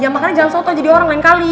ya makanya jangan satu aja diorang lain kali